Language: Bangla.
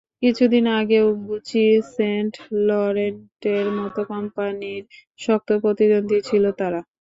কিছুদিন আগেও গুচি, সেন্ট লরেন্টের মতো কোম্পানির শক্ত প্রতিদ্বন্দ্বী ছিল তারা।